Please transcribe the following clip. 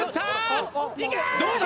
どうだ？